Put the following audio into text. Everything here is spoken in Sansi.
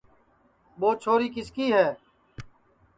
ٻو چھوری کِس کی ہے